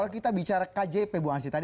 kalau kita bicara kjp bu ansi tadi